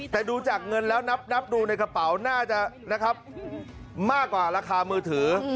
แต่ดูจากเงินแล้วนับดูในกระเป๋าน่าจะนะครับมากกว่าราคามือถือ